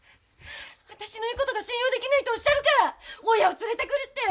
私の言うことが信用できないとおっしゃるから大家を連れてくるって。